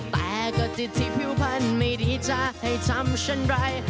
แต่ก็จิตที่ผิวพันธ์ไม่ดีจะให้ทำเช่นไร